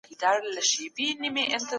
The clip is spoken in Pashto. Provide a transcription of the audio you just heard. افغان زده کوونکي بهر ته د سفر ازادي نه لري.